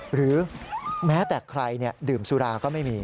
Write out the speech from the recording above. หรือแม้แต่ใครดื่มสุราก็ไม่มี